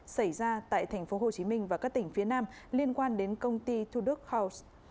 xảy ra tại tp hcm và các tỉnh phía nam liên quan đến công ty thu đức house